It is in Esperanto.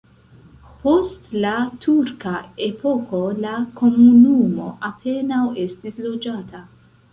Post la turka epoko la komunumo apenaŭ estis loĝata.